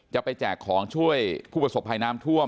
แจกของช่วยผู้ประสบภัยน้ำท่วม